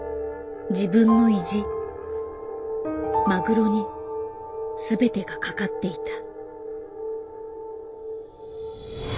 自分の意地マグロに全てがかかっていた。